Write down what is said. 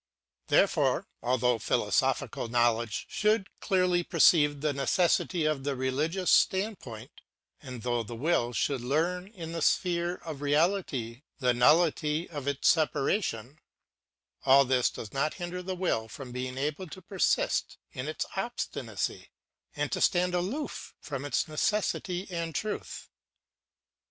Therefore, although phild I * sophical knowledge should clearly perceive the necessity If of the religious standpoint, and though the will should learn in the sphere of reality the nullity of its separation, all this does not hinder the will from being able to per sist in its obstinacy, and to stand aloof from its necessity and truth.